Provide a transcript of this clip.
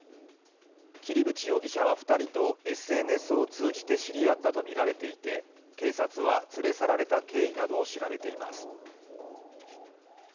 桐淵容疑者は２人とＳＮＳを通じて知り合ったとみられていて警察は連れ去られた経緯などを調べています。